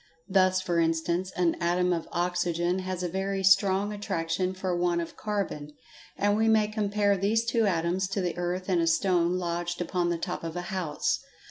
Thus, for instance, an atom of oxygen has a very strong attraction for one of carbon, and we may compare these two atoms to the earth and a stone lodged upon the top of a house.